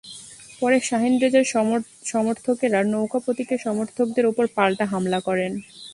পরে শাহীন রেজার সমর্থকেরা নৌকা প্রতীকের সমর্থকদের ওপর পাল্টা হামলা করেন।